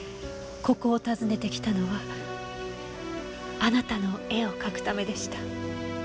ここを訪ねてきたのはあなたの絵を描くためでした。